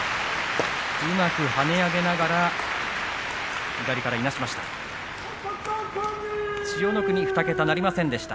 うまく跳ね上げながら左からいなしました。